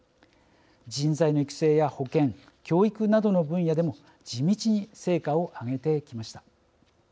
人材の育成や保健教育などの分野でも地道に成果を上げてきました。